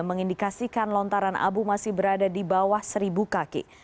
mengindikasikan lontaran abu masih berada di bawah seribu kaki